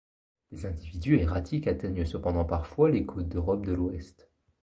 Des individus erratiques atteignent cependant parfois les côtes d'Europe de l'Ouest.